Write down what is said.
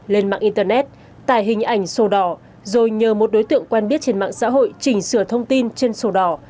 lên mạng internet tải hình ảnh sổ đỏ rồi nhờ một đối tượng quen biết trên mạng xã hội chỉnh sửa thông tin trên sổ đỏ